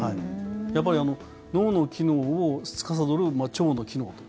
やっぱり脳の機能をつかさどる腸の機能と。